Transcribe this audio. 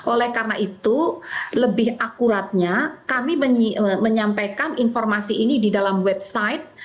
oleh karena itu lebih akuratnya kami menyampaikan informasi ini di dalam website